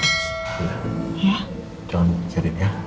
jangan dengerin ya